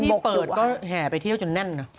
ก็ที่เปิดก็แห่ไปเที่ยวจนแน่น